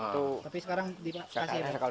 tapi sekarang dikasih apa